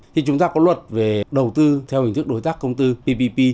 thì chúng ta có luật về đầu tư theo hình thức đối tác công tư ppp